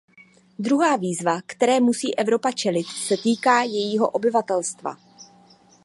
Druhá výzva, které musí Evropa čelit, se týká jejího obyvatelstva.